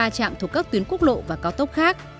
hai mươi ba trạm thuộc các tuyến quốc lộ và cao tốc khác